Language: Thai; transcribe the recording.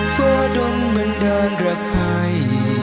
เฝ้าโดนบันดาลรักให้